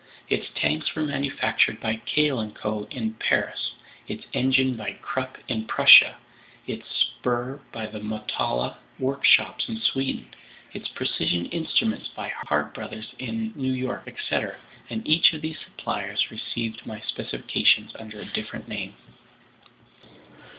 Its tanks were manufactured by Cail & Co. in Paris, its engine by Krupp in Prussia, its spur by the Motala workshops in Sweden, its precision instruments by Hart Bros. in New York, etc.; and each of these suppliers received my specifications under a different name."